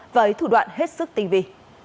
với thủ đoạn hết sức tinh vị